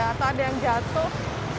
atau ada yang jatuh